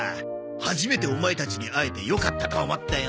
初めてオマエたちに会えてよかったと思ったよ。